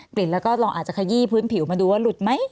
กลิ่นแล้วก็ลองอาจจะขยี้พื้นผิวมาดูว่าหลุดไหม